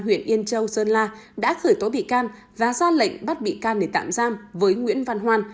huyện yên châu sơn la đã khởi tố bị can và ra lệnh bắt bị can để tạm giam với nguyễn văn hoan